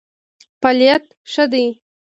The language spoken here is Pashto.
فعالیت ښه دی.